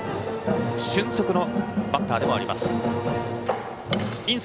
俊足のバッターでもあります。